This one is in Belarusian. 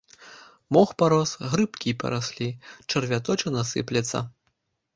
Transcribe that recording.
Мох парос, грыбкі параслі, чарвяточына сыплецца.